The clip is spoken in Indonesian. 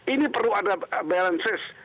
ini perlu ada balances